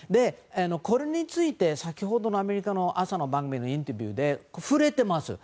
これについて先ほどのアメリカの朝の番組のインタビューで触れています。